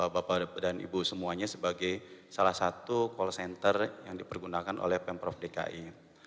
bapak dan ibu semuanya sebagai salah satu call center yang dipergunakan oleh pemprov dki